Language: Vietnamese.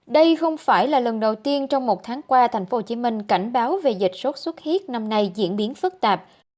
đây không phải là lần đầu tiên trong một tháng qua tp hcm cảnh báo về dịch sốt xuất huyết năm nay diễn biến phức tạp